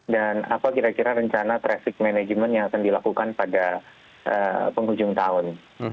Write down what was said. dan apa kira kira rencana traffic management yang akan dilakukan pada penghujung tahun